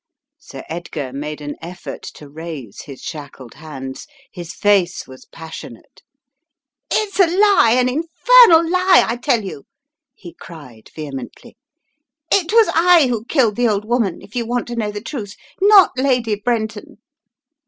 Sir Edgar made an effort to raise his shackled hands. His face was passionate. "It's a lie, an infernal lie, I tell you!" he cried, vehemently. "It was I who killed the old woman, if you want to know the truth. Not Lady Brenton